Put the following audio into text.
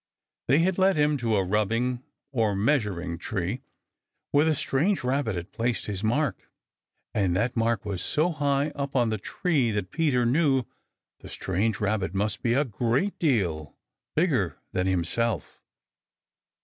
They had led him to a rubbing or measuring tree, where the strange Rabbit had placed his mark, and that mark was so high up on the tree that Peter knew the strange Rabbit must be a great deal bigger than himself.